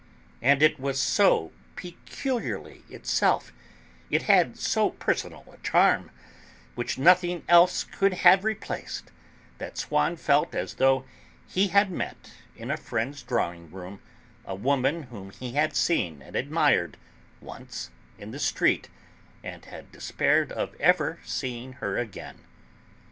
And it was so peculiarly itself, it had so personal a charm, which nothing else could have replaced, that Swann felt as though he had met, in a friend's drawing room, a woman whom he had seen and admired, once, in the street, and had despaired of ever seeing her again.